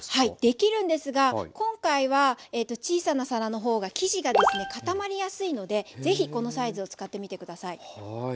できるんですが今回は小さな皿の方が生地がですね固まりやすいのでぜひこのサイズを使ってみて下さい。